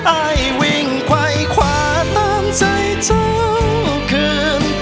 อายวิ่งควายขวาตามใจเจ้าคืน